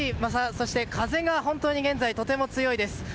そして風が現在、とても強いです。